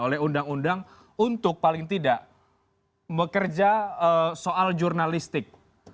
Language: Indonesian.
oleh undang undang untuk paling tidak bekerja soal jurnalistik